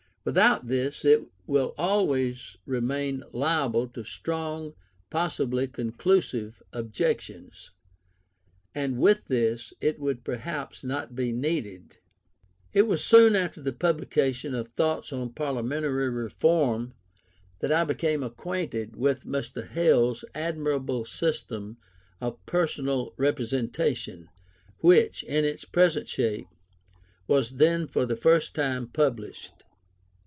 Without this it will always remain liable to strong, possibly conclusive, objections; and with this, it would perhaps not be needed. It was soon after the publication of Thoughts on Parliamentary Reform, that I became acquainted with Mr. Hare's admirable system of Personal Representation, which, in its present shape, was then for the first time published.